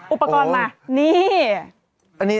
อุปกรณ์มานี่